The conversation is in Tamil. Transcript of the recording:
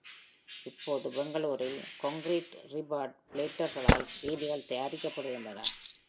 இப்போது பெங்களூரில் கான்கிரீட் ரீபார் பிளேட்டர்களால் வேலிகள் தயாரிக்கப்படுகின்றன.